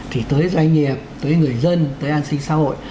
thì tới doanh nghiệp tới người dân tới an sinh xã hội